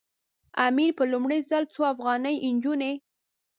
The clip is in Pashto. امیر په لومړي ځل څو افغاني نجونې.